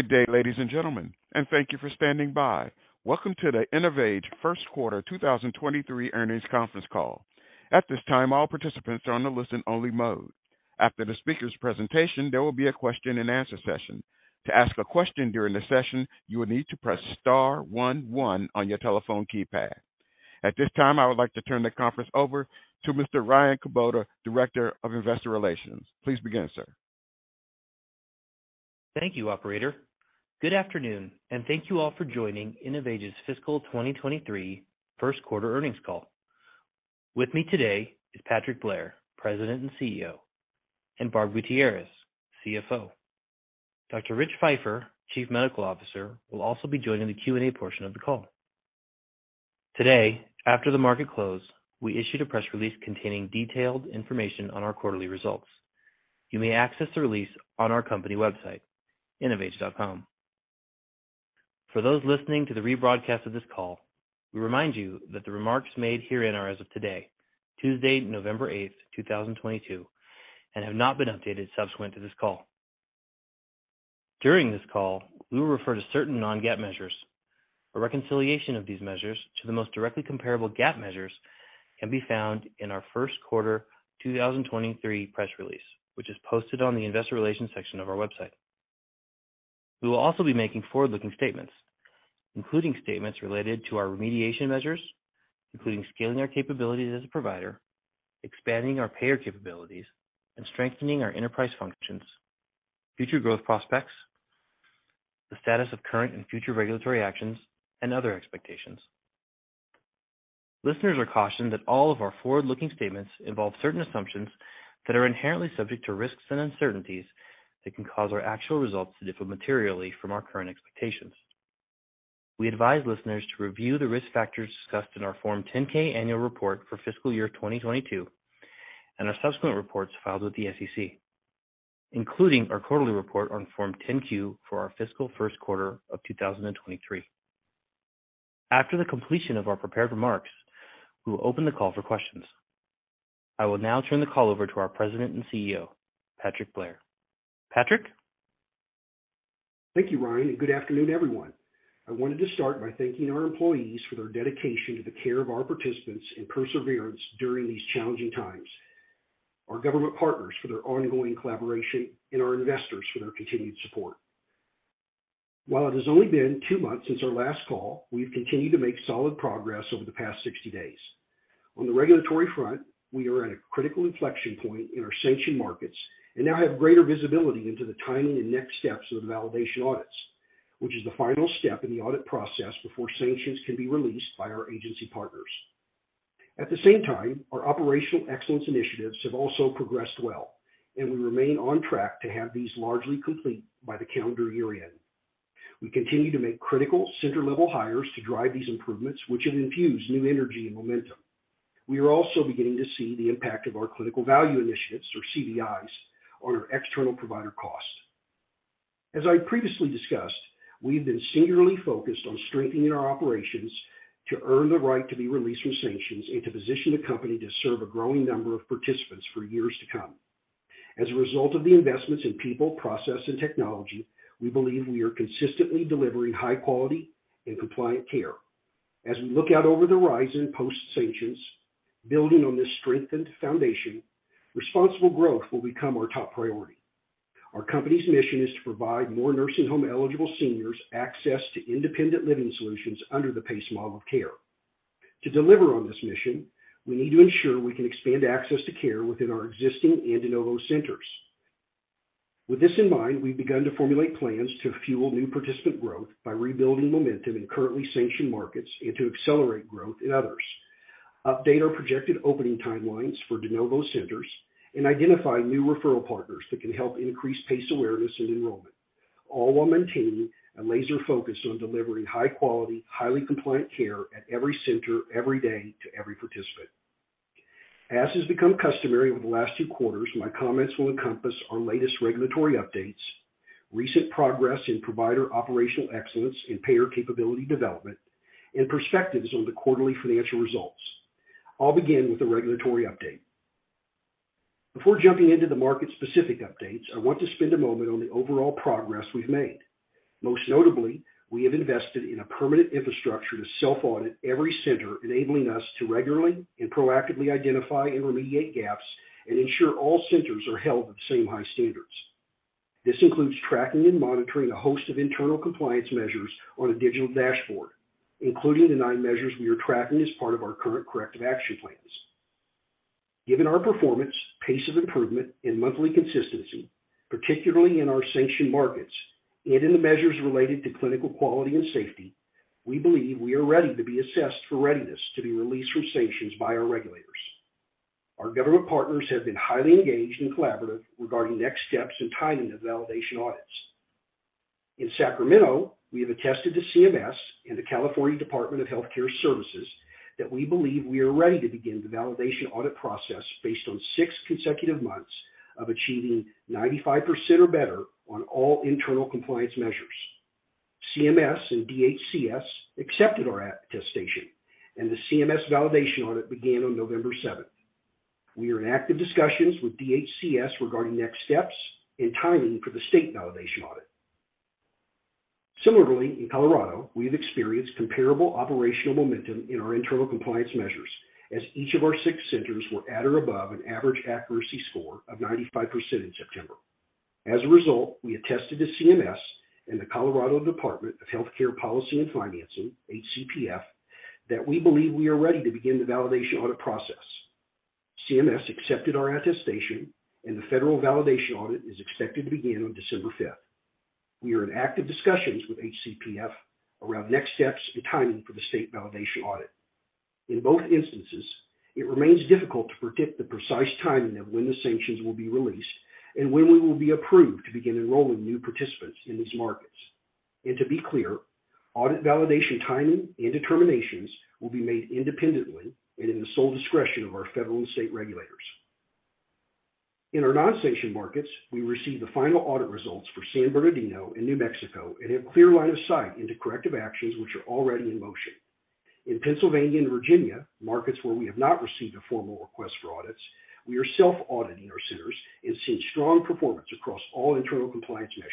Good day, ladies and gentlemen, and thank you for standing by. Welcome to the InnovAge First Quarter 2023 Earnings Conference Call. At this time, all participants are on a listen only mode. After the speaker's presentation, there will be a question and answer session. To ask a question during the session, you will need to press star one one on your telephone keypad. At this time, I would like to turn the conference over to Mr. Ryan Kubota, Director of Investor Relations. Please begin, sir. Thank you, operator. Good afternoon, and thank you all for joining InnovAge's Fiscal 2023 first quarter earnings call. With me today is Patrick Blair, President and CEO, and Barb Gutierrez, CFO. Dr. Rich Feifer, Chief Medical Officer, will also be joining the Q&A portion of the call. Today, after the market close, we issued a press release containing detailed information on our quarterly results. You may access the release on our company website, innovage.com. For those listening to the rebroadcast of this call, we remind you that the remarks made herein are as of today, Tuesday, November eighth, 2022, and have not been updated subsequent to this call. During this call, we will refer to certain non-GAAP measures. A reconciliation of these measures to the most directly comparable GAAP measures can be found in our first quarter 2023 press release, which is posted on the investor relations section of our website. We will also be making forward-looking statements, including statements related to our remediation measures, including scaling our capabilities as a provider, expanding our payer capabilities, and strengthening our enterprise functions, future growth prospects, the status of current and future regulatory actions and other expectations. Listeners are cautioned that all of our forward-looking statements involve certain assumptions that are inherently subject to risks and uncertainties that can cause our actual results to differ materially from our current expectations. We advise listeners to review the risk factors discussed in our Form 10-K annual report for fiscal year 2022 and our subsequent reports filed with the SEC, including our quarterly report on Form 10-Q for our fiscal first quarter of 2023. After the completion of our prepared remarks, we will open the call for questions. I will now turn the call over to our President and CEO, Patrick Blair. Patrick. Thank you, Ryan, and good afternoon, everyone. I wanted to start by thanking our employees for their dedication to the care of our participants and perseverance during these challenging times, our government partners for their ongoing collaboration, and our investors for their continued support. While it has only been 2 months since our last call, we've continued to make solid progress over the past 60 days. On the regulatory front, we are at a critical inflection point in our sanction markets and now have greater visibility into the timing and next steps of the validation audits, which is the final step in the audit process before sanctions can be released by our agency partners. At the same time, our operational excellence initiatives have also progressed well, and we remain on track to have these largely complete by the calendar year-end. We continue to make critical center-level hires to drive these improvements, which have infused new energy and momentum. We are also beginning to see the impact of our clinical value initiatives or CVIs on our external provider costs. As I previously discussed, we have been singularly focused on strengthening our operations to earn the right to be released from sanctions and to position the company to serve a growing number of participants for years to come. As a result of the investments in people, process and technology, we believe we are consistently delivering high quality and compliant care. As we look out over the horizon post sanctions, building on this strengthened foundation, responsible growth will become our top priority. Our company's mission is to provide more nursing home eligible seniors access to independent living solutions under the PACE model of care. To deliver on this mission, we need to ensure we can expand access to care within our existing and de novo centers. With this in mind, we've begun to formulate plans to fuel new participant growth by rebuilding momentum in currently sanctioned markets and to accelerate growth in others, update our projected opening timelines for de novo centers, and identify new referral partners that can help increase PACE awareness and enrollment, all while maintaining a laser focus on delivering high quality, highly compliant care at every center every day to every participant. As has become customary over the last two quarters, my comments will encompass our latest regulatory updates, recent progress in provider operational excellence and payer capability development, and perspectives on the quarterly financial results. I'll begin with the regulatory update. Before jumping into the market specific updates, I want to spend a moment on the overall progress we've made. Most notably, we have invested in a permanent infrastructure to self-audit every center, enabling us to regularly and proactively identify and remediate gaps and ensure all centers are held to the same high standards. This includes tracking and monitoring a host of internal compliance measures on a digital dashboard, including the nine measures we are tracking as part of our current corrective action plans. Given our performance, pace of improvement and monthly consistency, particularly in our sanctioned markets and in the measures related to clinical quality and safety, we believe we are ready to be assessed for readiness to be released from sanctions by our regulators. Our government partners have been highly engaged and collaborative regarding next steps and timing of validation audits. In Sacramento, we have attested to CMS and the California Department of Health Care Services that we believe we are ready to begin the validation audit process based on 6 consecutive months of achieving 95% or better on all internal compliance measures. CMS and DHCS accepted our attestation and the CMS validation audit began on November seventh. We are in active discussions with DHCS regarding next steps and timing for the state validation audit. Similarly, in Colorado, we have experienced comparable operational momentum in our internal compliance measures as each of our 6 centers were at or above an average accuracy score of 95% in September. As a result, we attested to CMS and the Colorado Department of Health Care Policy and Financing, HCPF, that we believe we are ready to begin the validation audit process. CMS accepted our attestation and the federal validation audit is expected to begin on December fifth. We are in active discussions with HCPF around next steps and timing for the state validation audit. In both instances, it remains difficult to predict the precise timing of when the sanctions will be released and when we will be approved to begin enrolling new participants in these markets. To be clear, audit validation, timing, and determinations will be made independently and in the sole discretion of our federal and state regulators. In our non-sanction markets, we received the final audit results for San Bernardino and New Mexico and have clear line of sight into corrective actions which are already in motion. In Pennsylvania and Virginia, markets where we have not received a formal request for audits, we are self-auditing our centers and seeing strong performance across all internal compliance measures.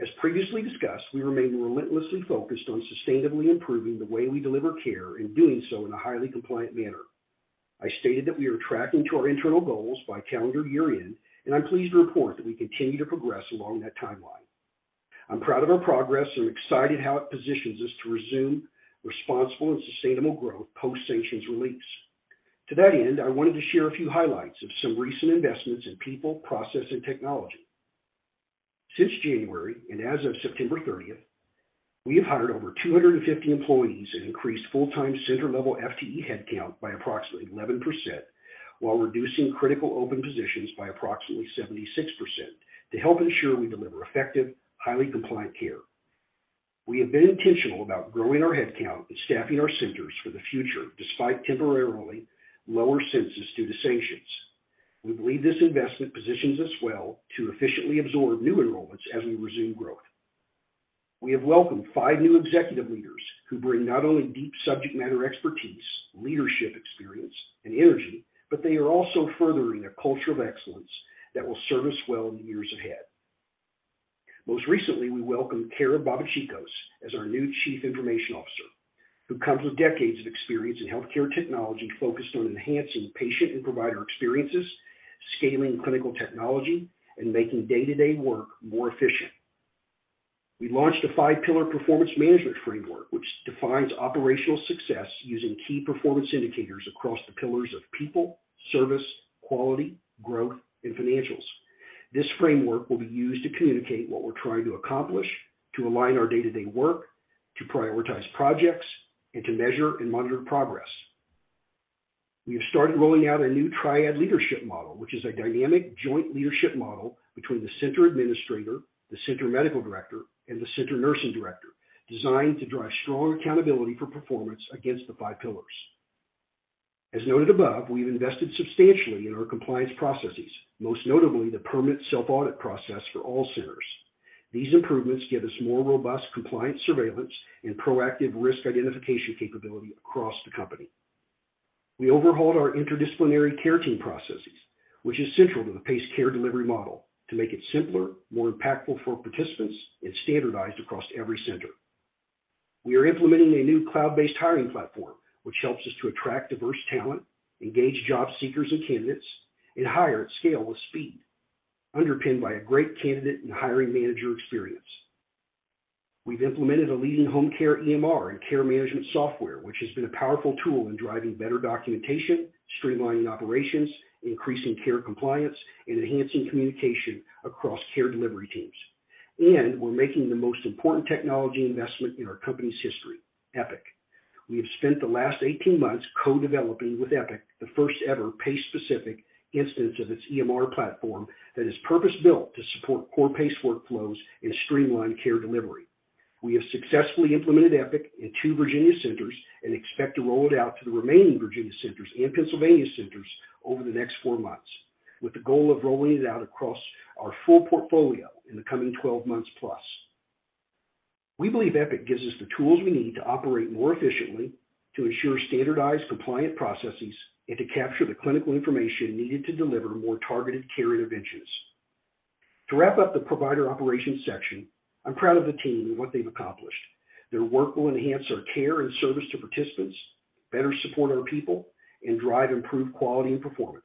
As previously discussed, we remain relentlessly focused on sustainably improving the way we deliver care and doing so in a highly compliant manner. I stated that we are tracking to our internal goals by calendar year-end, and I'm pleased to report that we continue to progress along that timeline. I'm proud of our progress and excited how it positions us to resume responsible and sustainable growth post-sanctions release. To that end, I wanted to share a few highlights of some recent investments in people, process, and technology. Since January, and as of September thirtieth, we have hired over 250 employees and increased full-time center level FTE headcount by approximately 11%, while reducing critical open positions by approximately 76% to help ensure we deliver effective, highly compliant care. We have been intentional about growing our headcount and staffing our centers for the future despite temporarily lower census due to sanctions. We believe this investment positions us well to efficiently absorb new enrollments as we resume growth. We have welcomed five new executive leaders who bring not only deep subject matter expertise, leadership experience, and energy, but they are also furthering a culture of excellence that will serve us well in the years ahead. Most recently, we welcomed Cara Babachicos as our new Chief Information Officer, who comes with decades of experience in healthcare technology focused on enhancing patient and provider experiences, scaling clinical technology, and making day-to-day work more efficient. We launched a five-pillar performance management framework, which defines operational success using key performance indicators across the pillars of people, service, quality, growth, and financials. This framework will be used to communicate what we're trying to accomplish, to align our day-to-day work, to prioritize projects, and to measure and monitor progress. We have started rolling out a new triad leadership model, which is a dynamic joint leadership model between the center administrator, the center medical director, and the center nursing director, designed to drive strong accountability for performance against the five pillars. As noted above, we've invested substantially in our compliance processes, most notably the permanent self-audit process for all centers. These improvements give us more robust compliance surveillance and proactive risk identification capability across the company. We overhauled our interdisciplinary care team processes, which is central to the PACE care delivery model to make it simpler, more impactful for participants and standardized across every center. We are implementing a new cloud-based hiring platform, which helps us to attract diverse talent, engage job seekers and candidates, and hire at scale with speed, underpinned by a great candidate and hiring manager experience. We've implemented a leading home care EMR and care management software, which has been a powerful tool in driving better documentation, streamlining operations, increasing care compliance, and enhancing communication across care delivery teams. We're making the most important technology investment in our company's history, Epic. We have spent the last 18 months co-developing with Epic the first ever PACE-specific instance of its EMR platform that is purpose-built to support core PACE workflows and streamline care delivery. We have successfully implemented Epic in two Virginia centers and expect to roll it out to the remaining Virginia centers and Pennsylvania centers over the next four months, with the goal of rolling it out across our full portfolio in the coming 12 months plus. We believe Epic gives us the tools we need to operate more efficiently, to ensure standardized compliant processes, and to capture the clinical information needed to deliver more targeted care interventions. To wrap up the provider operations section, I'm proud of the team and what they've accomplished. Their work will enhance our care and service to participants, better support our people, and drive improved quality and performance.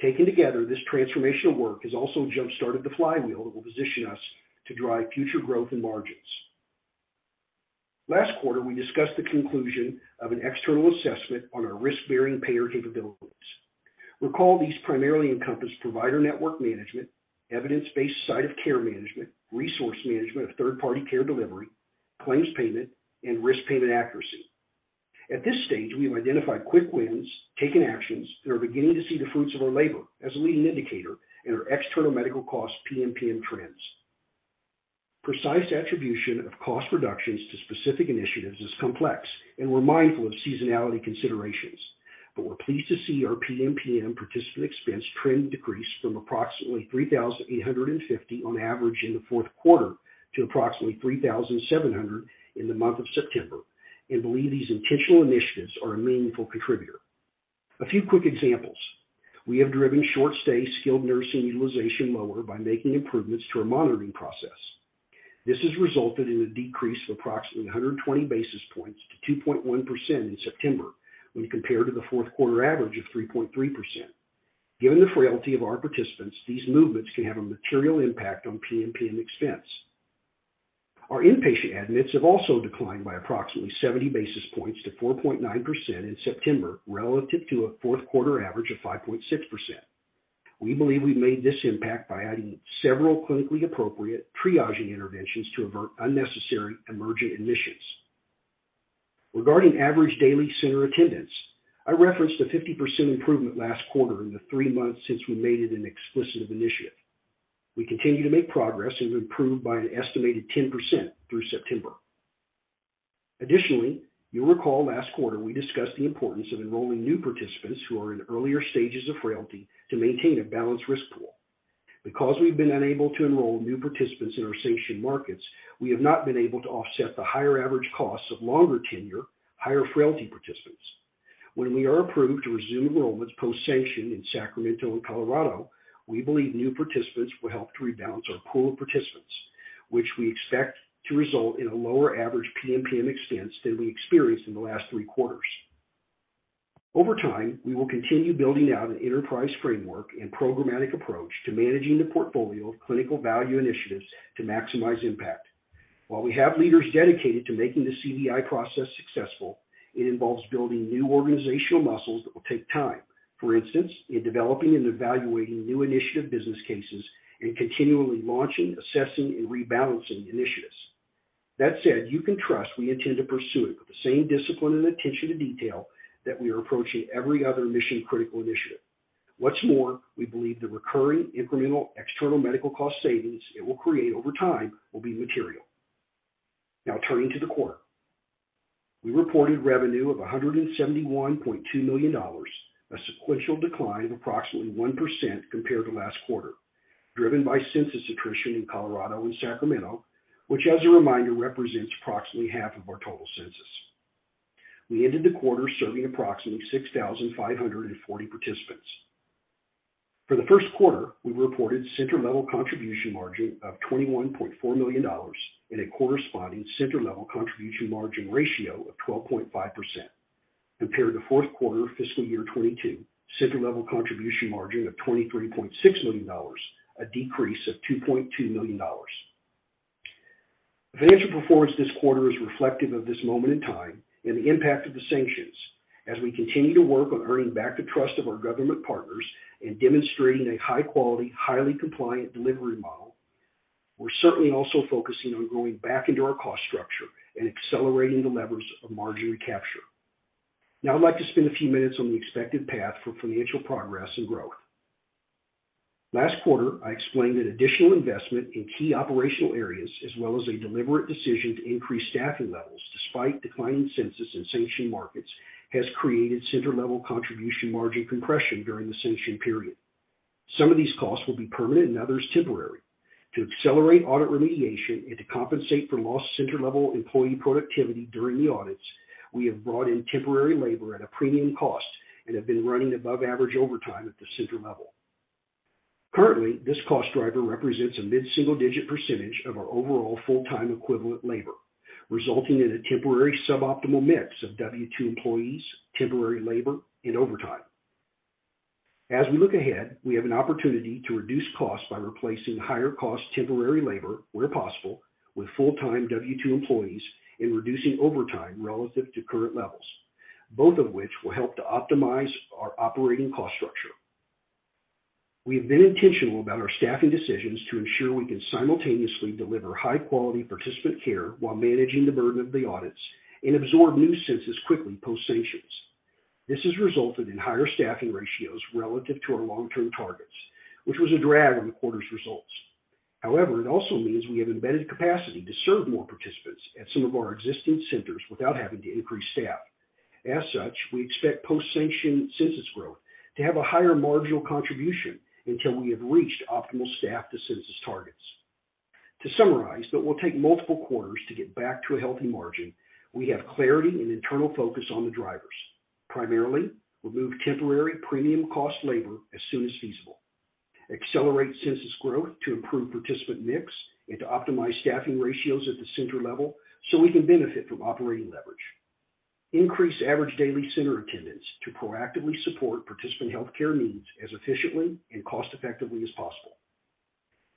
Taken together, this transformational work has also jumpstarted the flywheel that will position us to drive future growth and margins. Last quarter, we discussed the conclusion of an external assessment on our risk-bearing payer capabilities. Recall these primarily encompass provider network management, evidence-based site of care management, resource management of third-party care delivery, claims payment, and risk payment accuracy. At this stage, we have identified quick wins, taken actions, and are beginning to see the fruits of our labor as a leading indicator in our external medical cost PMPM trends. Precise attribution of cost reductions to specific initiatives is complex, and we're mindful of seasonality considerations. We're pleased to see our PMPM participant expense trend decrease from approximately $3,850 on average in the fourth quarter to approximately $3,700 in the month of September and believe these intentional initiatives are a meaningful contributor. A few quick examples. We have driven short stay skilled nursing utilization lower by making improvements to our monitoring process. This has resulted in a decrease of approximately 120 basis points to 2.1% in September when compared to the fourth quarter average of 3.3%. Given the frailty of our participants, these movements can have a material impact on PMPM expense. Our inpatient admits have also declined by approximately 70 basis points to 4.9% in September relative to a fourth quarter average of 5.6%. We believe we made this impact by adding several clinically appropriate triaging interventions to avert unnecessary emergent admissions. Regarding average daily center attendance, I referenced a 50% improvement last quarter in the three months since we made it an explicit initiative. We continue to make progress and have improved by an estimated 10% through September. Additionally, you'll recall last quarter, we discussed the importance of enrolling new participants who are in earlier stages of frailty to maintain a balanced risk pool. Because we've been unable to enroll new participants in our sanctioned markets, we have not been able to offset the higher average costs of longer tenure, higher frailty participants. When we are approved to resume enrollments post-sanction in Sacramento and Colorado, we believe new participants will help to rebalance our pool of participants, which we expect to result in a lower average PMPM expense than we experienced in the last three quarters. Over time, we will continue building out an enterprise framework and programmatic approach to managing the portfolio of clinical value initiatives to maximize impact. While we have leaders dedicated to making the CVI process successful, it involves building new organizational muscles that will take time. For instance, in developing and evaluating new initiative business cases and continually launching, assessing, and rebalancing initiatives. That said, you can trust we intend to pursue it with the same discipline and attention to detail that we are approaching every other mission-critical initiative. What's more, we believe the recurring incremental external medical cost savings it will create over time will be material. Now turning to the quarter. We reported revenue of $171.2 million, a sequential decline of approximately 1% compared to last quarter, driven by census attrition in Colorado and Sacramento, which as a reminder, represents approximately half of our total census. We ended the quarter serving approximately 6,540 participants. For the first quarter, we reported center level contribution margin of $21.4 million and a corresponding center level contribution margin ratio of 12.5% compared to fourth quarter fiscal year 2022 center level contribution margin of $23.6 million, a decrease of $2.2 million. Financial performance this quarter is reflective of this moment in time and the impact of the sanctions. As we continue to work on earning back the trust of our government partners and demonstrating a high quality, highly compliant delivery model, we're certainly also focusing on going back into our cost structure and accelerating the levers of margin recapture. Now, I'd like to spend a few minutes on the expected path for financial progress and growth. Last quarter, I explained that additional investment in key operational areas as well as a deliberate decision to increase staffing levels despite declining census in sanctioned markets has created center level contribution margin compression during the sanctioned period. Some of these costs will be permanent and others temporary. To accelerate audit remediation and to compensate for lost center level employee productivity during the audits, we have brought in temporary labor at a premium cost and have been running above average overtime at the center level. Currently, this cost driver represents a mid-single-digit % of our overall full-time equivalent labor, resulting in a temporary suboptimal mix of W-2 employees, temporary labor, and overtime. As we look ahead, we have an opportunity to reduce costs by replacing higher cost temporary labor, where possible, with full-time W-2 employees and reducing overtime relative to current levels, both of which will help to optimize our operating cost structure. We have been intentional about our staffing decisions to ensure we can simultaneously deliver high quality participant care while managing the burden of the audits and absorb new census quickly post-sanctions. This has resulted in higher staffing ratios relative to our long-term targets, which was a drag on the quarter's results. However, it also means we have embedded capacity to serve more participants at some of our existing centers without having to increase staff. As such, we expect post-sanction census growth to have a higher marginal contribution until we have reached optimal staff to census targets. To summarize, it will take multiple quarters to get back to a healthy margin. We have clarity and internal focus on the drivers. Primarily, remove temporary premium cost labor as soon as feasible. Accelerate census growth to improve participant mix and to optimize staffing ratios at the center level so we can benefit from operating leverage. Increase average daily center attendance to proactively support participant healthcare needs as efficiently and cost effectively as possible.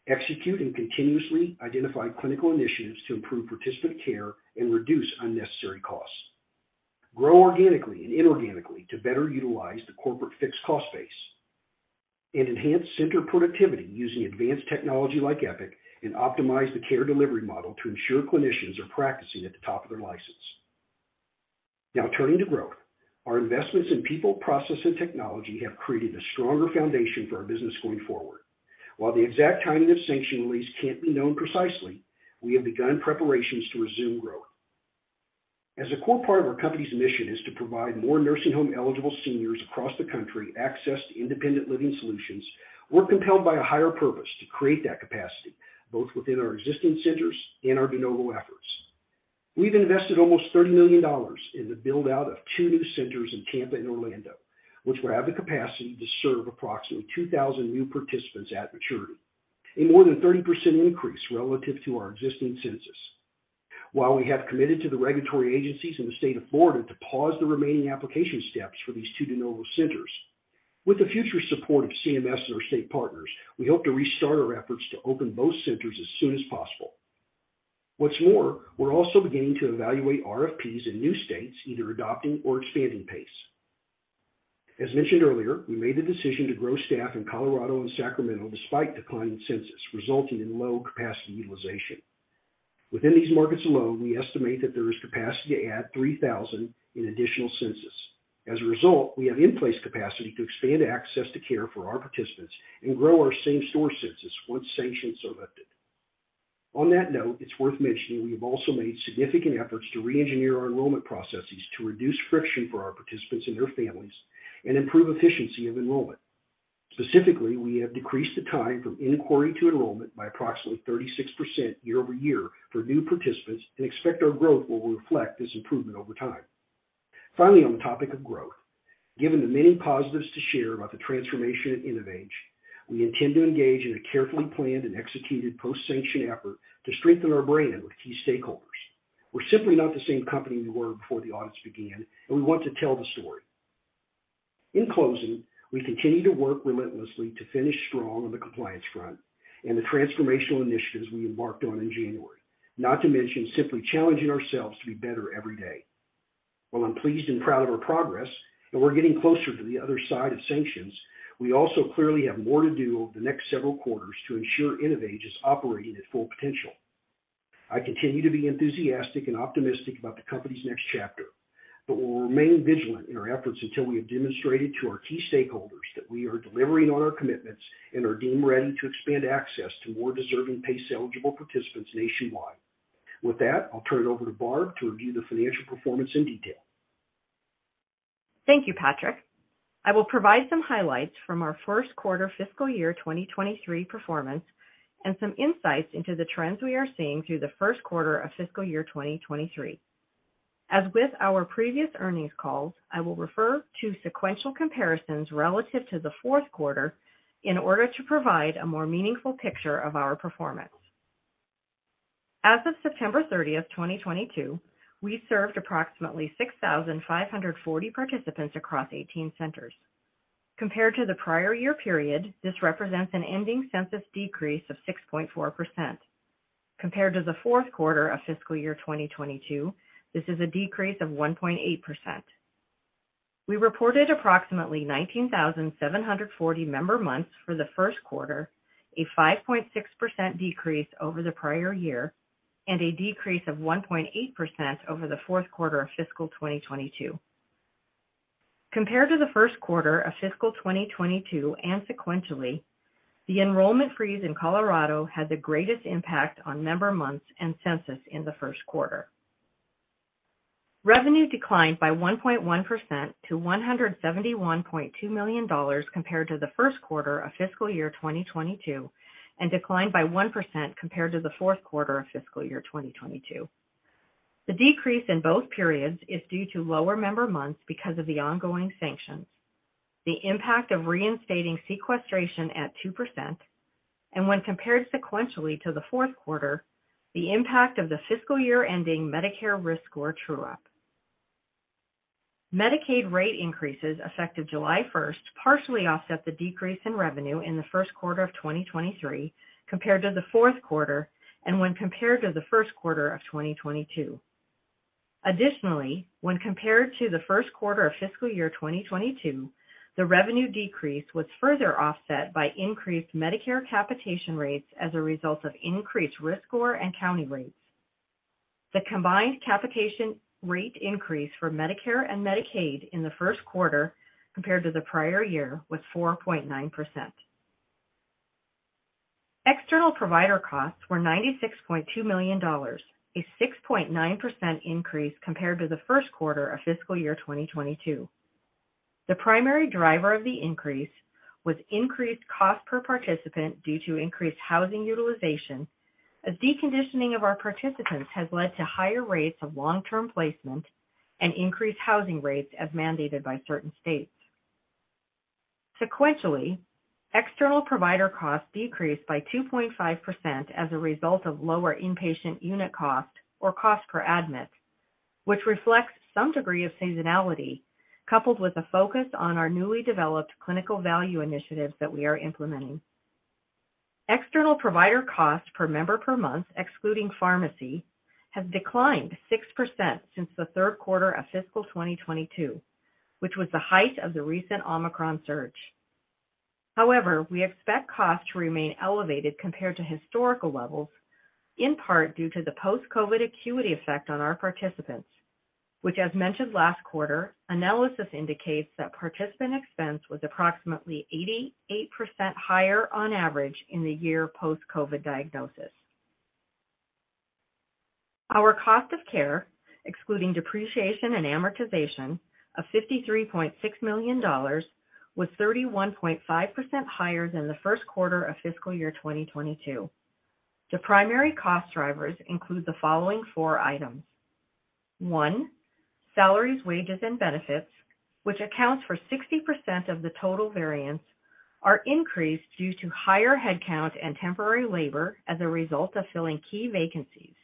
Execute and continuously identify clinical initiatives to improve participant care and reduce unnecessary costs. Grow organically and inorganically to better utilize the corporate fixed cost base. Enhance center productivity using advanced technology like Epic and optimize the care delivery model to ensure clinicians are practicing at the top of their license. Now, turning to growth. Our investments in people, process, and technology have created a stronger foundation for our business going forward. While the exact timing of sanction release can't be known precisely, we have begun preparations to resume growth. As a core part of our company's mission is to provide more nursing home-eligible seniors across the country access to independent living solutions, we're compelled by a higher purpose to create that capacity, both within our existing centers and our de novo efforts. We've invested almost $30 million in the build-out of two new centers in Tampa and Orlando, which will have the capacity to serve approximately 2,000 new participants at maturity, a more than 30% increase relative to our existing census. While we have committed to the regulatory agencies in the state of Florida to pause the remaining application steps for these two de novo centers, with the future support of CMS and our state partners, we hope to restart our efforts to open both centers as soon as possible. What's more, we're also beginning to evaluate RFPs in new states either adopting or expanding pace. As mentioned earlier, we made the decision to grow staff in Colorado and Sacramento despite declining census, resulting in low capacity utilization. Within these markets alone, we estimate that there is capacity to add 3,000 in additional census. As a result, we have in-place capacity to expand access to care for our participants and grow our same-store census once sanctions are lifted. On that note, it's worth mentioning we have also made significant efforts to re-engineer our enrollment processes to reduce friction for our participants and their families and improve efficiency of enrollment. Specifically, we have decreased the time from inquiry to enrollment by approximately 36% year-over-year for new participants and expect our growth will reflect this improvement over time. Finally, on the topic of growth, given the many positives to share about the transformation at InnovAge, we intend to engage in a carefully planned and executed post-sanction effort to strengthen our brand with key stakeholders. We're simply not the same company we were before the audits began, and we want to tell the story. In closing, we continue to work relentlessly to finish strong on the compliance front and the transformational initiatives we embarked on in January. Not to mention simply challenging ourselves to be better every day. While I'm pleased and proud of our progress and we're getting closer to the other side of sanctions, we also clearly have more to do over the next several quarters to ensure InnovAge is operating at full potential. I continue to be enthusiastic and optimistic about the company's next chapter, but we will remain vigilant in our efforts until we have demonstrated to our key stakeholders that we are delivering on our commitments and are deemed ready to expand access to more deserving PACE-eligible participants nationwide. With that, I'll turn it over to Barb to review the financial performance in detail. Thank you, Patrick. I will provide some highlights from our first quarter fiscal year 2023 performance and some insights into the trends we are seeing through the first quarter of fiscal year 2023. As with our previous earnings calls, I will refer to sequential comparisons relative to the fourth quarter in order to provide a more meaningful picture of our performance. As of September 30, 2022, we served approximately 6,540 participants across 18 centers. Compared to the prior year period, this represents an ending census decrease of 6.4%. Compared to the fourth quarter of fiscal year 2022, this is a decrease of 1.8%. We reported approximately 19,740 member months for the first quarter, a 5.6% decrease over the prior year, and a decrease of 1.8% over the fourth quarter of fiscal 2022. Compared to the first quarter of fiscal 2022 and sequentially, the enrollment freeze in Colorado had the greatest impact on member months and census in the first quarter. Revenue declined by 1.1% to $171.2 million compared to the first quarter of fiscal year 2022, and declined by 1% compared to the fourth quarter of fiscal year 2022. The decrease in both periods is due to lower member months because of the ongoing sanctions, the impact of reinstating sequestration at 2%, and when compared sequentially to the fourth quarter, the impact of the fiscal year-ending Medicare risk score true-up. Medicaid rate increases effective July 1 partially offset the decrease in revenue in the first quarter of 2023 compared to the fourth quarter and when compared to the first quarter of 2022. Additionally, when compared to the first quarter of fiscal year 2022, the revenue decrease was further offset by increased Medicare capitation rates as a result of increased risk score and county rates. The combined capitation rate increase for Medicare and Medicaid in the first quarter compared to the prior year was 4.9%. External provider costs were $96.2 million, a 6.9% increase compared to the first quarter of fiscal year 2022. The primary driver of the increase was increased cost per participant due to increased housing utilization as deconditioning of our participants has led to higher rates of long-term placement and increased housing rates as mandated by certain states. Sequentially, external provider costs decreased by 2.5% as a result of lower inpatient unit cost or cost per admit, which reflects some degree of seasonality, coupled with a focus on our newly developed clinical value initiatives that we are implementing. External provider costs per member per month, excluding pharmacy, have declined 6% since the third quarter of fiscal 2022, which was the height of the recent Omicron surge. However, we expect costs to remain elevated compared to historical levels, in part due to the post-COVID acuity effect on our participants, which as mentioned last quarter, analysis indicates that participant expense was approximately 88% higher on average in the year post-COVID diagnosis. Our cost of care, excluding depreciation and amortization of $53.6 million, was 31.5% higher than the first quarter of fiscal year 2022. The primary cost drivers include the following 4 items. One, salaries, wages, and benefits, which accounts for 60% of the total variance, are increased due to higher headcount and temporary labor as a result of filling key vacancies,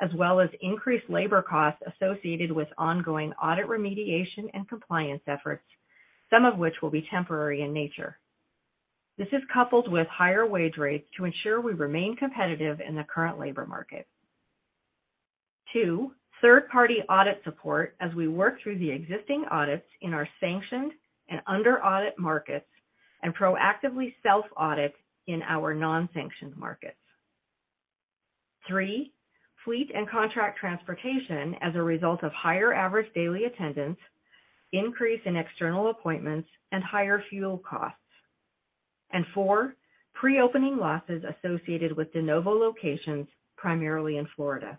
as well as increased labor costs associated with ongoing audit remediation and compliance efforts, some of which will be temporary in nature. This is coupled with higher wage rates to ensure we remain competitive in the current labor market. Two, third-party audit support as we work through the existing audits in our sanctioned and under-audit markets and proactively self-audit in our non-sanctioned markets. Three, fleet and contract transportation as a result of higher average daily attendance, increase in external appointments, and higher fuel costs. And four, pre-opening losses associated with de novo locations, primarily in Florida.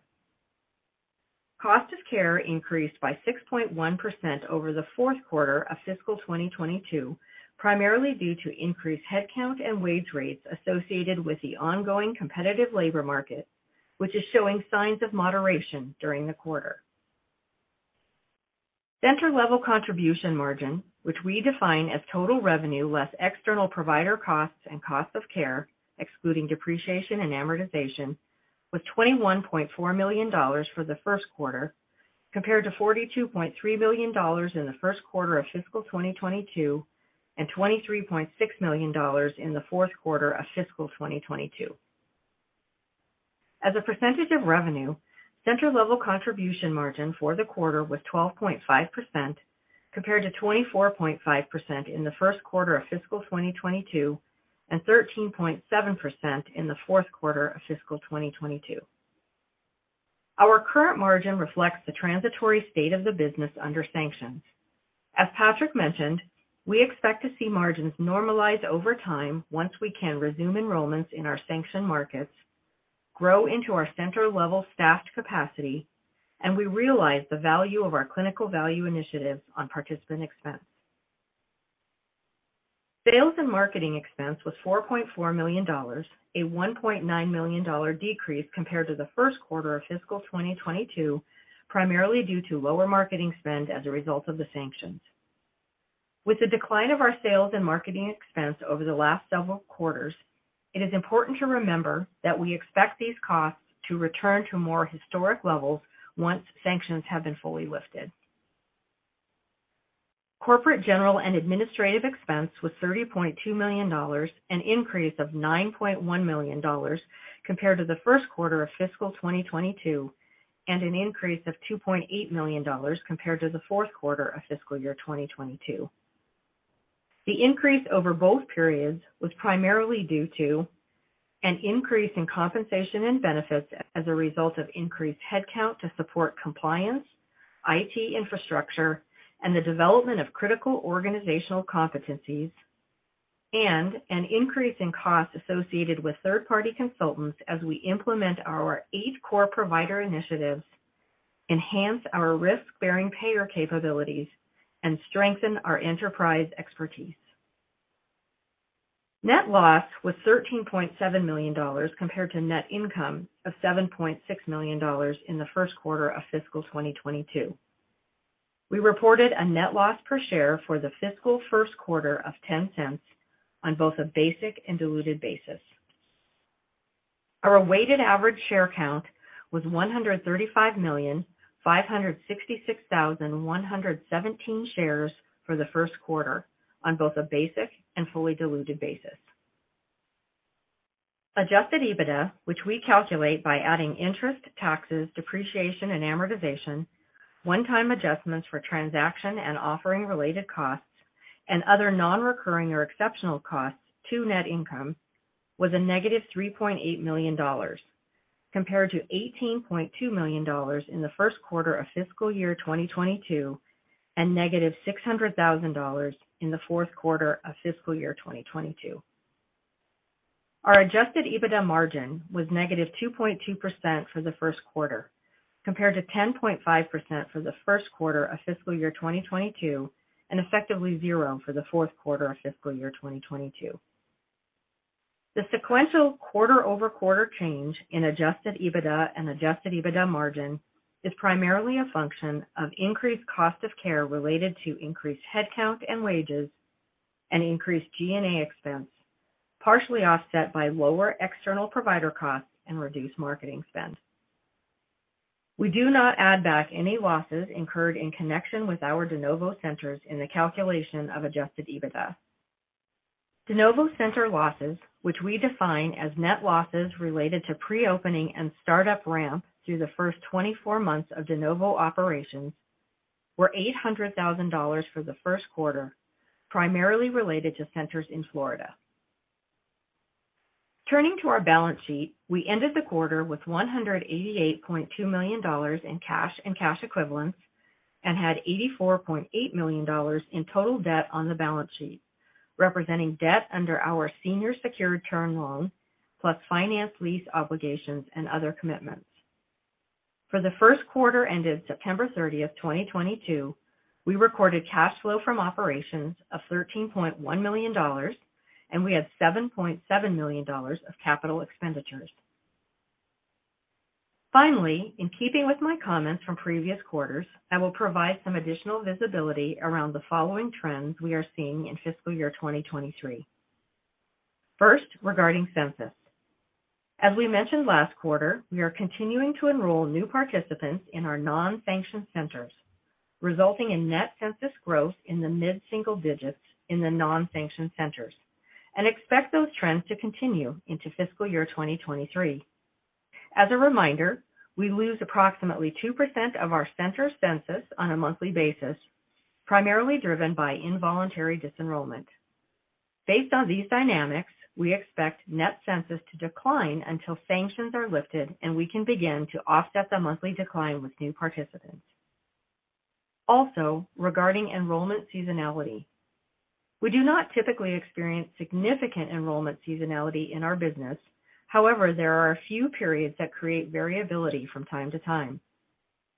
Cost of care increased by 6.1% over the fourth quarter of fiscal 2022, primarily due to increased headcount and wage rates associated with the ongoing competitive labor market, which is showing signs of moderation during the quarter. Center-level contribution margin, which we define as total revenue less external provider costs and cost of care, excluding depreciation and amortization, was $21.4 million for the first quarter, compared to $42.3 million in the first quarter of fiscal 2022 and $23.6 million in the fourth quarter of fiscal 2022. As a percentage of revenue, center-level contribution margin for the quarter was 12.5% compared to 24.5% in the first quarter of fiscal 2022 and 13.7% in the fourth quarter of fiscal 2022. Our current margin reflects the transitory state of the business under sanctions. As Patrick mentioned, we expect to see margins normalize over time once we can resume enrollments in our sanction markets, grow into our center-level staffed capacity, and we realize the value of our clinical value initiatives on participant expense. Sales and marketing expense was $4.4 million, a $1.9 million decrease compared to the first quarter of fiscal 2022, primarily due to lower marketing spend as a result of the sanctions. With the decline of our sales and marketing expense over the last several quarters, it is important to remember that we expect these costs to return to more historic levels once sanctions have been fully lifted. Corporate general and administrative expense was $30.2 million, an increase of $9.1 million compared to the first quarter of fiscal 2022, and an increase of $2.8 million compared to the fourth quarter of fiscal year 2022. The increase over both periods was primarily due to an increase in compensation and benefits as a result of increased headcount to support compliance, IT infrastructure, and the development of critical organizational competencies, and an increase in costs associated with third-party consultants as we implement our eight core provider initiatives, enhance our risk-bearing payer capabilities, and strengthen our enterprise expertise. Net loss was $13.7 million compared to net income of $7.6 million in the first quarter of fiscal 2022. We reported a net loss per share for the fiscal first quarter of $0.10 on both a basic and diluted basis. Our weighted average share count was 135,566,117 shares for the first quarter on both a basic and fully diluted basis. Adjusted EBITDA, which we calculate by adding interest, taxes, depreciation and amortization, one-time adjustments for transaction and offering related costs, and other non-recurring or exceptional costs to net income, was -$3.8 million, compared to $18.2 million in the first quarter of fiscal year 2022 and -$600,000 in the fourth quarter of fiscal year 2022. Our adjusted EBITDA margin was -2.2% for the first quarter, compared to 10.5% for the first quarter of fiscal year 2022, and effectively zero for the fourth quarter of fiscal year 2022. The sequential quarter-over-quarter change in adjusted EBITDA and adjusted EBITDA margin is primarily a function of increased cost of care related to increased headcount and wages and increased G&A expense, partially offset by lower external provider costs and reduced marketing spend. We do not add back any losses incurred in connection with our de novo centers in the calculation of adjusted EBITDA. De novo center losses, which we define as net losses related to pre-opening and startup ramp through the first 24 months of de novo operations, were $800,000 for the first quarter, primarily related to centers in Florida. Turning to our balance sheet, we ended the quarter with $188.2 million in cash and cash equivalents and had $84.8 million in total debt on the balance sheet, representing debt under our senior secured term loan, plus finance lease obligations and other commitments. For the first quarter ended September thirtieth, 2022, we recorded cash flow from operations of $13.1 million, and we had $7.7 million of capital expenditures. Finally, in keeping with my comments from previous quarters, I will provide some additional visibility around the following trends we are seeing in fiscal year 2023. First, regarding census. As we mentioned last quarter, we are continuing to enroll new participants in our non-sanctioned centers, resulting in net census growth in the mid-single digits in the non-sanctioned centers and expect those trends to continue into fiscal year 2023. As a reminder, we lose approximately 2% of our center census on a monthly basis, primarily driven by involuntary dis-enrollment. Based on these dynamics, we expect net census to decline until sanctions are lifted and we can begin to offset the monthly decline with new participants. Also, regarding enrollment seasonality, we do not typically experience significant enrollment seasonality in our business. However, there are a few periods that create variability from time to time.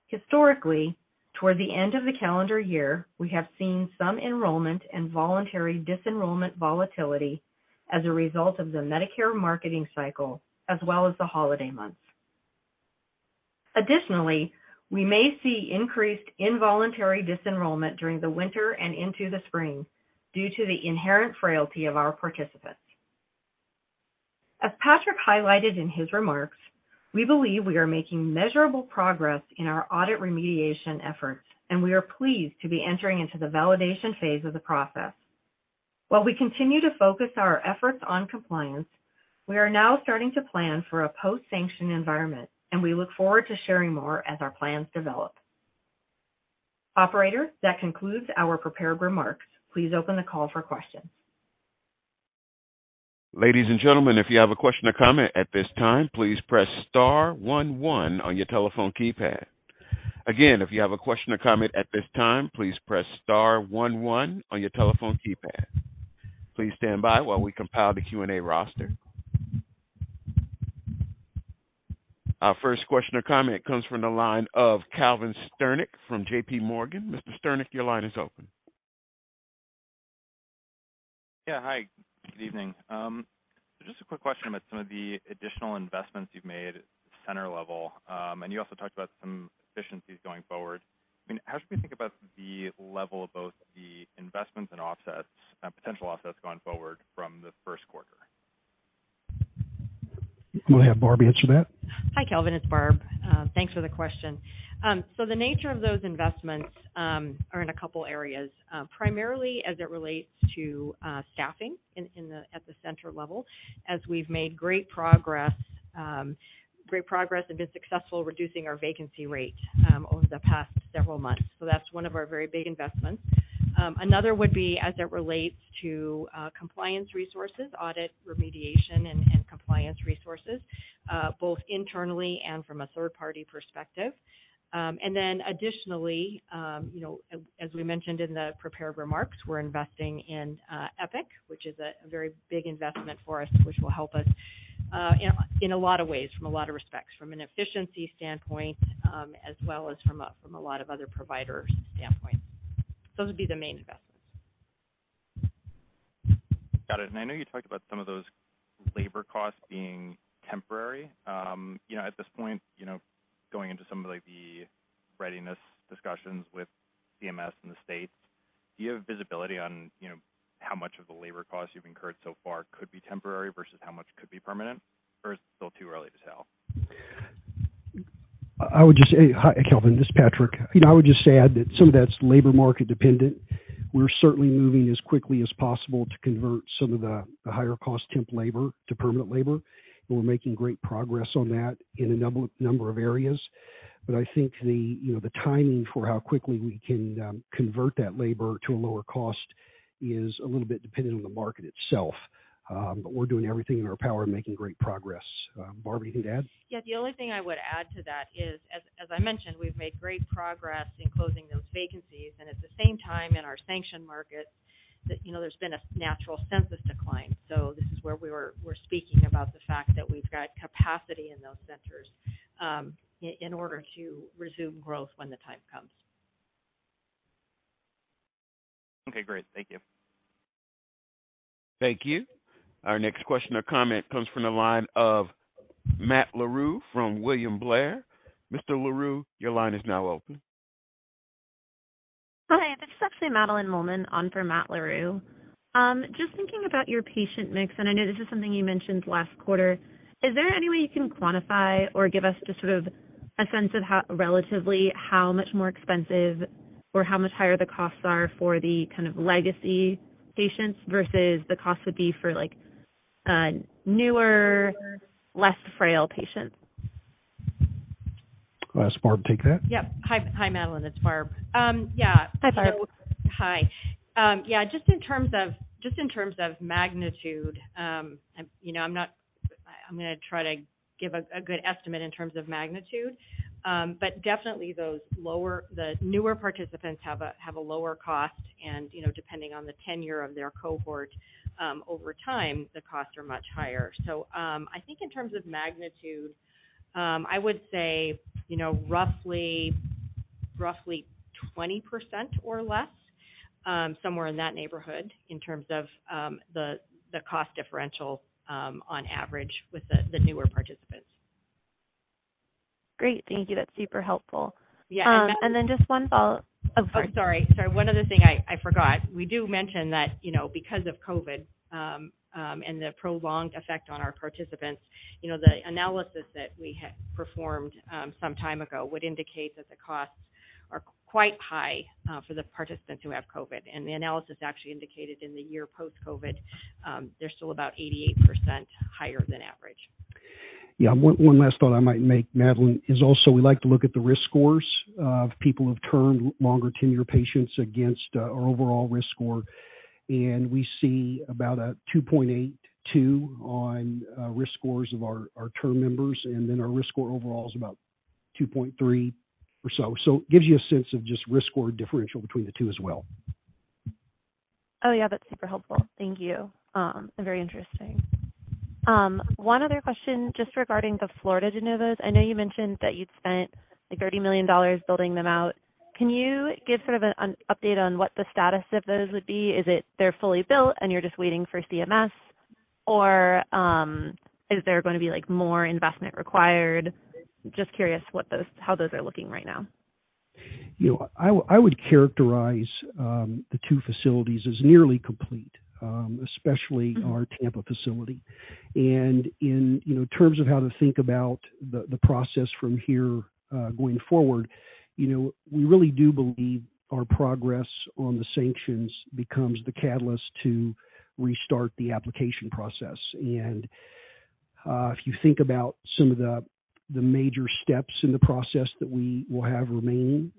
Historically, toward the end of the calendar year, we have seen some enrollment and voluntary dis-enrollment volatility as a result of the Medicare marketing cycle as well as the holiday months. Additionally, we may see increased involuntary disenrollment during the winter and into the spring due to the inherent frailty of our participants. As Patrick highlighted in his remarks, we believe we are making measurable progress in our audit remediation efforts, and we are pleased to be entering into the validation phase of the process. While we continue to focus our efforts on compliance, we are now starting to plan for a post-sanction environment, and we look forward to sharing more as our plans develop. Operator, that concludes our prepared remarks. Please open the call for questions. Ladies and gentlemen, if you have a question or comment at this time, please press star one one on your telephone keypad. Again, if you have a question or comment at this time, please press star one one on your telephone keypad. Please stand by while we compile the Q&A roster. Our first question or comment comes from the line of Calvin Sternick from J.P. Morgan. Mr. Sternick, your line is open. Yeah. Hi. Good evening. Just a quick question about some of the additional investments you've made at the center level. You also talked about some efficiencies going forward. I mean, how should we think about the level of both the investments and offsets, potential offsets going forward from the first quarter? We'll have Barb answer that. Hi, Calvin. It's Barb. Thanks for the question. The nature of those investments are in a couple areas, primarily as it relates to staffing at the center level, as we've made great progress and been successful reducing our vacancy rate over the past several months. That's one of our very big investments. Another would be as it relates to compliance resources, audit remediation and compliance resources, both internally and from a third-party perspective. Additionally, you know, as we mentioned in the prepared remarks, we're investing in Epic, which is a very big investment for us, which will help us in a lot of ways from a lot of respects from an efficiency standpoint, as well as from a lot of other providers standpoint. Those would be the main investments. Got it. I know you talked about some of those labor costs being temporary. You know, at this point, you know, going into some of, like, the readiness discussions with CMS and the states, do you have visibility on, you know, how much of the labor costs you've incurred so far could be temporary versus how much could be permanent, or is it still too early to tell? I would just say. Hi, Calvin, this is Patrick. You know, I would just add that some of that's labor market dependent. We're certainly moving as quickly as possible to convert some of the higher cost temp labor to permanent labor, and we're making great progress on that in a number of areas. I think the, you know, the timing for how quickly we can convert that labor to a lower cost is a little bit dependent on the market itself. We're doing everything in our power and making great progress. Barb, anything to add? Yeah. The only thing I would add to that is, as I mentioned, we've made great progress in closing those vacancies. At the same time, in our San Antonio market, you know, there's been a natural census decline. This is where we're speaking about the fact that we've got capacity in those centers, in order to resume growth when the time comes. Okay, great. Thank you. Thank you. Our next question or comment comes from the line of Matt Larew from William Blair. Mr. Larew, your line is now open. Hi, this is actually Madeline Mollman on for Matt Larew. Just thinking about your patient mix, and I know this is something you mentioned last quarter. Is there any way you can quantify or give us just sort of a sense of how, relatively how much more expensive or how much higher the costs are for the kind of legacy patients versus the cost would be for like, newer, less frail patients? I'll ask Barb to take that. Yep. Hi, Madeline. It's Barb. Yeah. Hi, Barb. Hi. Yeah, just in terms of magnitude, I'm, you know, not I'm gonna try to give a good estimate in terms of magnitude. Definitely the newer participants have a lower cost and, you know, depending on the tenure of their cohort, over time, the costs are much higher. I think in terms of magnitude, I would say, you know, roughly 20% or less, somewhere in that neighborhood in terms of the cost differential, on average with the newer participants. Great. Thank you. That's super helpful. Yeah. Oh, sorry. Oh, sorry. One other thing I forgot. We do mention that, you know, because of COVID and the prolonged effect on our participants, you know, the analysis that we performed some time ago would indicate that the costs are quite high for the participants who have COVID. The analysis actually indicated in the year post-COVID, they're still about 88% higher than average. Yeah. One last thought I might make, Madeline, is also we like to look at the risk scores of people who've termed longer tenure patients against our overall risk score. We see about a 2.82 on risk scores of our term members, and then our risk score overall is about 2.3 or so. It gives you a sense of just risk score differential between the two as well. Oh, yeah, that's super helpful. Thank you. Very interesting. One other question just regarding the Florida de novos. I know you mentioned that you'd spent, like, $30 million building them out. Can you give sort of an update on what the status of those would be? Is it they're fully built and you're just waiting for CMS? Or, is there gonna be, like, more investment required? Just curious how those are looking right now. You know, I would characterize the two facilities as nearly complete, especially our Tampa facility. In you know terms of how to think about the process from here, going forward, you know, we really do believe our progress on the sanctions becomes the catalyst to restart the application process. If you think about some of the major steps in the process that we will have remaining,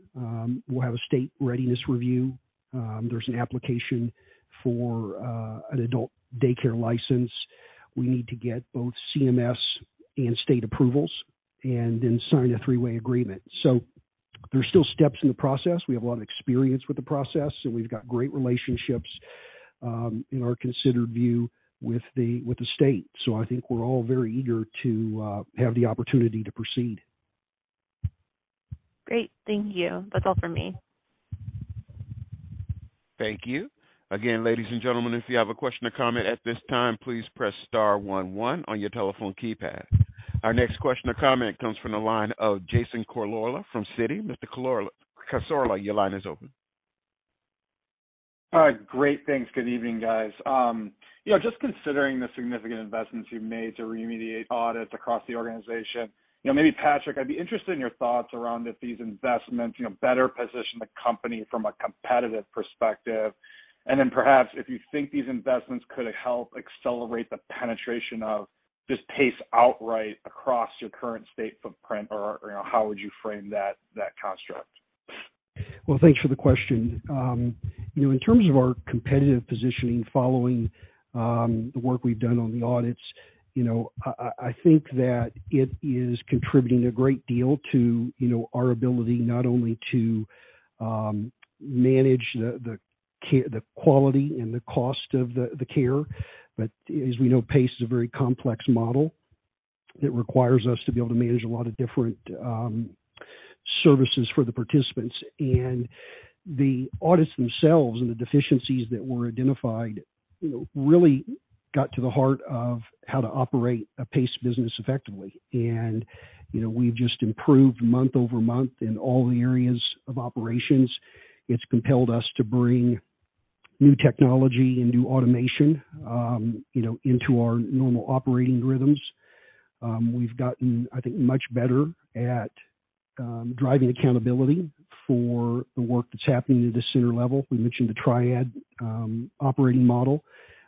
we'll have a state readiness review. There's an application for an adult daycare license. We need to get both CMS and state approvals and then sign a three-way agreement. There's still steps in the process. We have a lot of experience with the process, and we've got great relationships in our considered view with the state. I think we're all very eager to have the opportunity to proceed. Great. Thank you. That's all for me. Thank you. Again, ladies and gentlemen, if you have a question or comment at this time, please press star one one on your telephone keypad. Our next question or comment comes from the line of Jason Cassorla from Citi. Mr. Cassorla, your line is open. All right. Great. Thanks. Good evening, guys. You know, just considering the significant investments you've made to remediate audits across the organization, you know, maybe Patrick, I'd be interested in your thoughts around if these investments, you know, better position the company from a competitive perspective. Perhaps if you think these investments could help accelerate the penetration of just PACE outright across your current state footprint or, you know, how would you frame that construct? Well, thanks for the question. You know, in terms of our competitive positioning following the work we've done on the audits, you know, I think that it is contributing a great deal to, you know, our ability not only to manage the quality and the cost of the care, but as we know, PACE is a very complex model that requires us to be able to manage a lot of different services for the participants. The audits themselves and the deficiencies that were identified, you know, really got to the heart of how to operate a PACE business effectively. You know, we've just improved month-over-month in all the areas of operations. It's compelled us to bring new technology and new automation, you know, into our normal operating rhythms. We've gotten, I think, much better at driving accountability for the work that's happening at the center level. We mentioned the Triad operating model,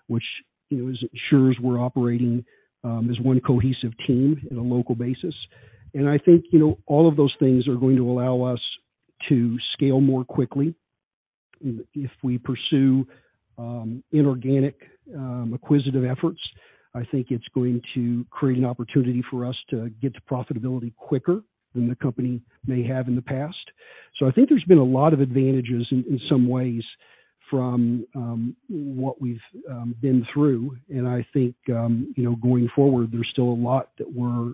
which, you know, ensures we're operating as one cohesive team in a local basis. I think, you know, all of those things are going to allow us to scale more quickly if we pursue inorganic acquisitive efforts. I think it's going to create an opportunity for us to get to profitability quicker than the company may have in the past. I think there's been a lot of advantages in some ways from what we've been through. I think, you know, going forward, there's still a lot that we're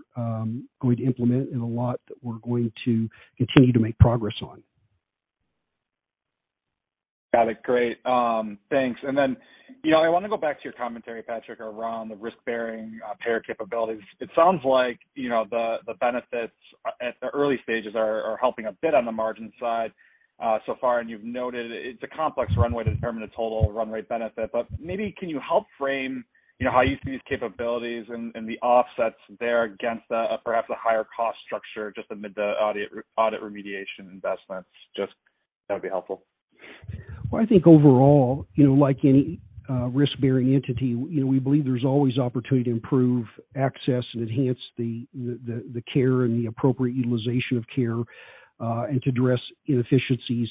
going to implement and a lot that we're going to continue to make progress on. Got it. Great. Thanks. Then, you know, I wanna go back to your commentary, Patrick, around the risk-bearing payer capabilities. It sounds like, you know, the benefits at the early stages are helping a bit on the margin side, so far, and you've noted it's a complex runway to determine a total run rate benefit. But maybe can you help frame, you know, how you see these capabilities and the offsets there against a, perhaps a higher cost structure just amid the audit remediation investments? Just that'd be helpful. Well, I think overall, you know, like any risk-bearing entity, you know, we believe there's always opportunity to improve access and enhance the care and the appropriate utilization of care, and to address inefficiencies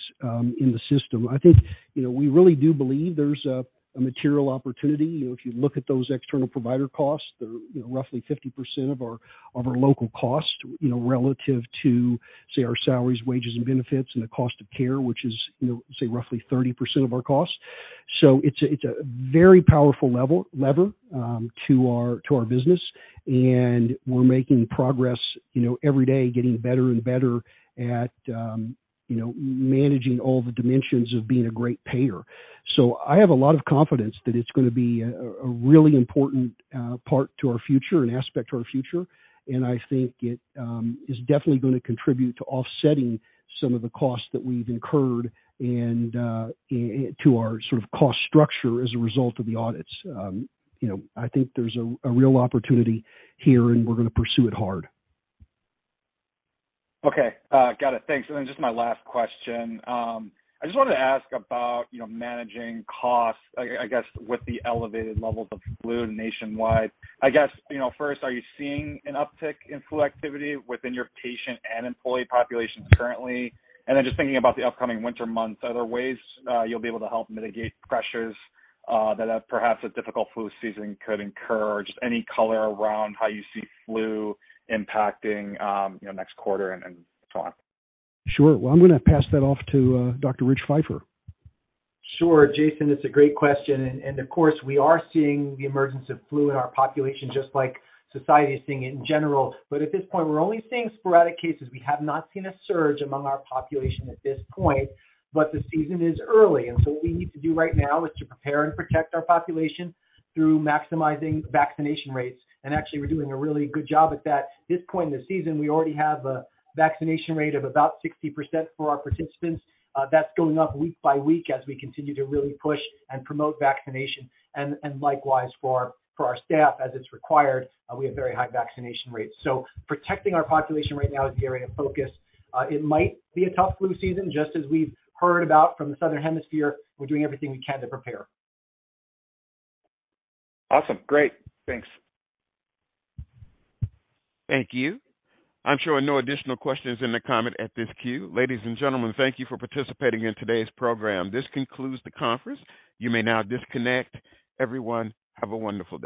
in the system. I think, you know, we really do believe there's a material opportunity. You know, if you look at those external provider costs, they're, you know, roughly 50% of our local costs, you know, relative to, say, our salaries, wages, and benefits and the cost of care, which is, you know, say roughly 30% of our costs. So it's a very powerful lever to our business. We're making progress, you know, every day, getting better and better at, you know, managing all the dimensions of being a great payer. I have a lot of confidence that it's gonna be a really important part to our future and aspect to our future. I think it is definitely gonna contribute to offsetting some of the costs that we've incurred and to our sort of cost structure as a result of the audits. You know, I think there's a real opportunity here, and we're gonna pursue it hard. Okay. Got it. Thanks. Just my last question. I just wanted to ask about, you know, managing costs, I guess, with the elevated levels of flu nationwide. I guess, you know, first, are you seeing an uptick in flu activity within your patient and employee populations currently? Just thinking about the upcoming winter months, are there ways you'll be able to help mitigate pressures that, perhaps, a difficult flu season could incur? Just any color around how you see flu impacting, you know, next quarter and so on. Sure. Well, I'm gonna pass that off to Dr. Rich Feifer. Sure. Jason, it's a great question. Of course, we are seeing the emergence of flu in our population, just like society is seeing it in general. At this point, we're only seeing sporadic cases. We have not seen a surge among our population at this point, but the season is early. What we need to do right now is to prepare and protect our population through maximizing vaccination rates. Actually, we're doing a really good job at that. At this point in the season, we already have a vaccination rate of about 60% for our participants. That's going up week by week as we continue to really push and promote vaccination. Likewise, for our staff as it's required, we have very high vaccination rates. Protecting our population right now is the area of focus. It might be a tough flu season, just as we've heard about from the Southern Hemisphere. We're doing everything we can to prepare. Awesome. Great. Thanks. Thank you. I'm showing no additional questions in the queue. Ladies and gentlemen, thank you for participating in today's program. This concludes the conference. You may now disconnect. Everyone, have a wonderful day.